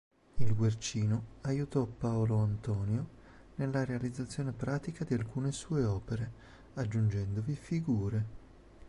Il Guercino aiutò Paolo Antonio nella realizzazione pratica di alcune sue opere, aggiungendovi figure.